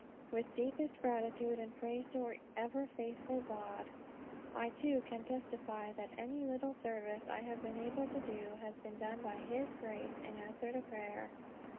With deepest gratitude and praise to our ever faithful God, I too can testify that any little service I have been able to do has been done by his grace in answer to prayer.